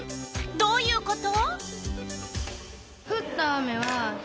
どういうこと？